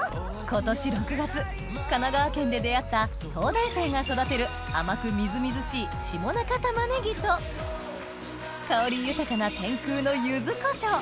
今年６月神奈川県で出合った東大生が育てる甘くみずみずしい下中玉ねぎと香り豊かな天空の柚子こしょう